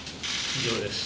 以上です。